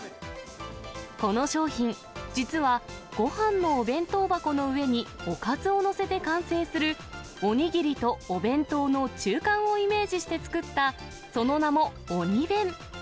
この商品、実は、ごはんのお弁当箱の上におかずを載せて完成する、お握りとお弁当の中間をイメージして作った、その名もおに弁。